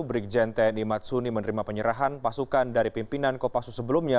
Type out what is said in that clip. brigjen tni matsuni menerima penyerahan pasukan dari pimpinan kopassus sebelumnya